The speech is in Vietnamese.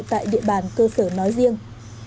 tại địa bàn cơ sở nói riêng